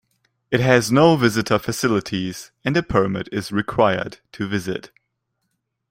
It has no visitor facilities and a permit is required to visit.